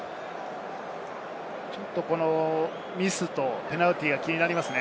ちょっとミスとペナルティーが気になりますね。